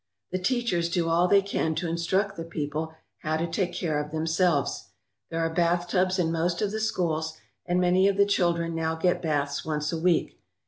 The teachers do all they can to instruct the people how to take care of themselves. There are bathtubs in most of the schools, and many of the children now get baths once a week.